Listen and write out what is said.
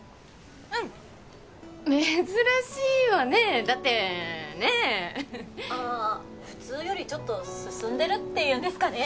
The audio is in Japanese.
うん珍しいわねだってねえ・ああ普通よりちょっと進んでるっていうんですかね